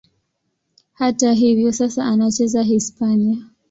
Hata hivyo, sasa anacheza Hispania.